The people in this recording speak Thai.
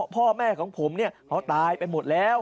พ่อแม่ของผมเขาตายไปหมดแล้ว